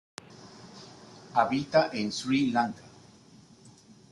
Habita en Sri Lanka.